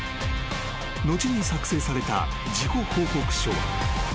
［後に作成された事故報告書は］